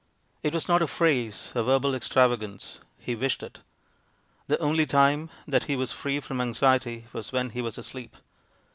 It was not a phrase, a verbal extravagance; he wished it. The only time that he was free from anxiety was when he was asleep.